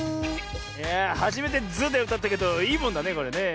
はじめて「ズ」でうたったけどいいもんだねこれねえ。